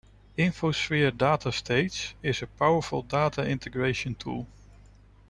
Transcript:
InfoSphere DataStage is a powerful data integration tool.